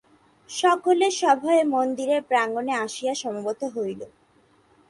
সকলে সভয়ে মন্দিরের প্রাঙ্গণে আসিয়া সমবেত হইল।